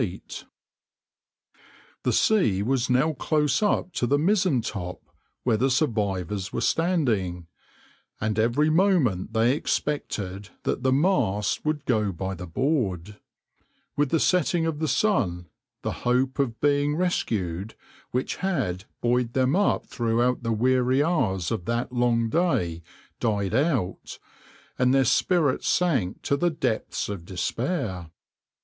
}}}} \end{minipage} \hfill{} \end{figure} The sea was now close up to the mizzentop where the survivors were standing, and every moment they expected that the mast would go by the board. With the setting of the sun the hope of being rescued, which had buoyed them up throughout the weary hours of that long day, died out, and their spirits sank to the depths of despair.